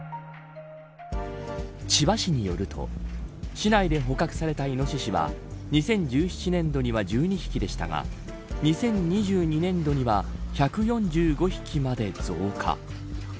千葉市によると市内で捕獲されたイノシシは２０１７年度には１２匹でしたが２０２２年度には１４５匹まで増加。